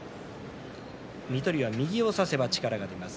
水戸龍は右を差せば力が出ます。